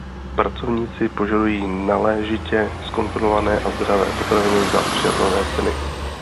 Pracovníci požadují náležitě zkontrolované a zdravé potraviny za přijatelné ceny.